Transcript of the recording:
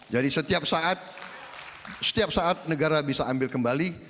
jadi setiap saat negara bisa ambil kembali